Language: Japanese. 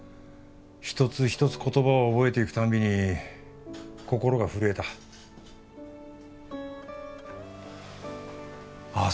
一つ一つ言葉を覚えていくたんびに心が震えたああ